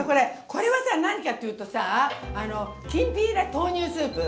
これはさ何かって言うとさきんぴら豆乳スープ。